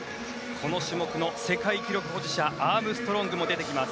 この種目の世界記録保持者アームストロングも出てきます。